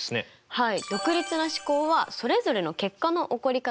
はい。